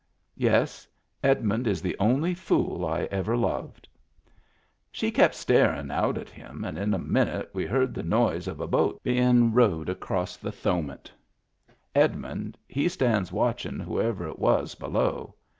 Yes, Edmund is the only fool I ever loved. She kept starin' out at him, and in a minute we heard the noise of a boat bein' rowed acrost the Thowmet Edmund he stands watchin' who ever it was below.